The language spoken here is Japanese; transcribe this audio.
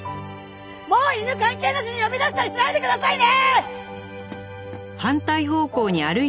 もう犬関係なしに呼び出したりしないでくださいね！